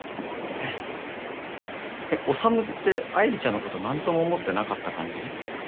えっ修って愛梨ちゃんのこと何とも思ってなかった感じ？